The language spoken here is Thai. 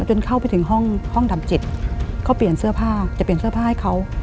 จนเข้าไปถึงห้องดำ๗เขาเปลี่ยนเสื้อผ้าจะเปลี่ยนเสื้อผ้าให้เขา